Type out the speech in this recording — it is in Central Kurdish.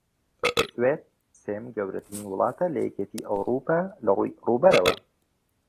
سوێد سێیەم گەورەترین وڵاتە لە یەکێتی ئەوڕوپا لەڕووی ڕووبەرەوە